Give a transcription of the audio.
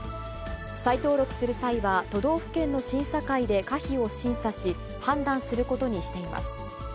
再登録する際は都道府県の審査会で可否を審査し、判断することにしています。